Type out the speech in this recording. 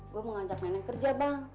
gue mau ngajak mainan kerja bang